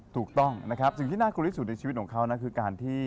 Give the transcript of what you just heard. ถูกต้องนะครับสิ่งที่น่ากลัวที่สุดในชีวิตของเขานะคือการที่